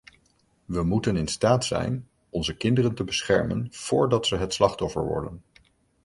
We moeten in staat zijn onze kinderen te beschermen voordat ze het slachtoffer worden.